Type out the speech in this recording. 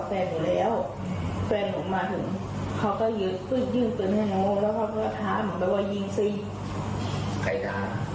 แฟนหนูมาถึงเขาก็ยึดยึดกันให้โม่